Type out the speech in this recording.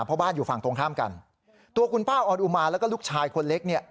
เพราะบ้านอยู่ฝั่งตรงข้ามกันตัวคุณป้าออนอุมาแล้วก็ลูกชายคนเล็กเนี่ย